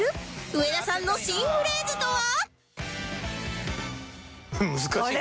上田さんの新フレーズとは？